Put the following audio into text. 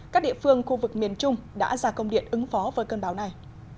các địa phương khu vực miền trung đã ra công điện ứng phó với cơn bão này